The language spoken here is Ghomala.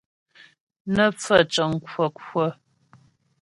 Nə́ pfaə̂ cəŋ kwə́kwə́.